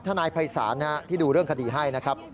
ทนายภัยศาลที่ดูเรื่องคดีให้นะครับ